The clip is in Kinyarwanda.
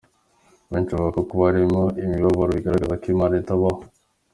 Abenshi bavuga ko kuba hariho imibabaro bigaragaza ko Imana itabaho.